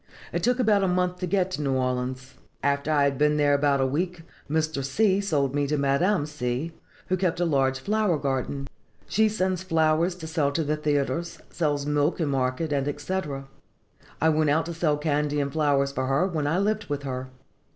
"It took about a month to get to New Orleans. After I had been there about a week, Mr. C. sold me to Madame C., who keeps a large flower garden. She sends flowers to sell to the theatres, sells milk in market, &c. I went out to sell candy and flowers for her, when I lived with her.